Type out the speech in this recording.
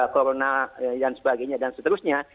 corona dan sebagainya dan seterusnya